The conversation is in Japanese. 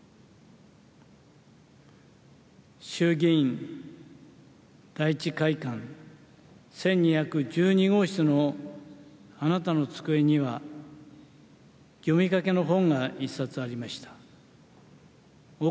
衆議院第一会館１２１５号室のあなたの机には読みかけの本が１冊ありました。